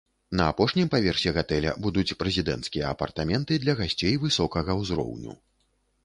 На апошнім паверсе гатэля будуць прэзідэнцкія апартаменты для гасцей высокага ўзроўню.